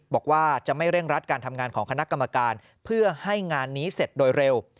บอกว่าจะไม่เร่งรัดการทำงานของคณะกรรมการเพื่อให้งานนี้เสร็จโดยเร็ว